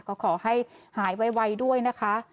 ก็ขอให้หายไวด้วยนะคะ